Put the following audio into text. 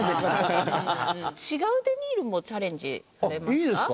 違うデニールもチャレンジされますか？